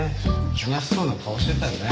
悲しそうな顔してたね。